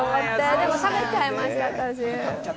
でも食べちゃいました。